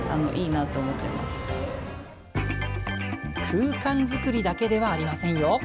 空間作りだけではありませんよ。